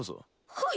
はい。